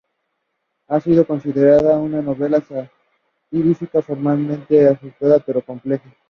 Ha sido considerada una novela satírica, formalmente austera pero compleja.